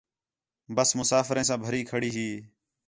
بس مُسافریں ساں بھری کھڑی ہی